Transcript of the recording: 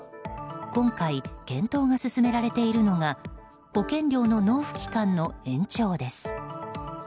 今回、検討が進められているのが保険料の納付期間の延長です。